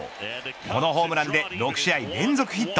このホームランで６試合連続ヒット。